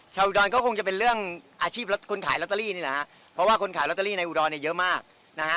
อุดรก็คงจะเป็นเรื่องอาชีพคนขายลอตเตอรี่นี่แหละฮะเพราะว่าคนขายลอตเตอรี่ในอุดรเนี่ยเยอะมากนะฮะ